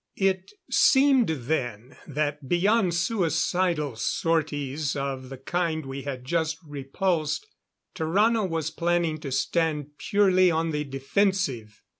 It seemed then that beyond suicidal sorties of the kind we had just repulsed, Tarrano was planning to stand purely on the defensive.